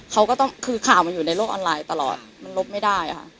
เขาก็ต้องคือข่าวมันอยู่ในโลกออนไลน์ตลอดมันลบไม่ได้ค่ะ